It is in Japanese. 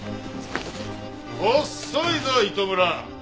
遅いぞ糸村！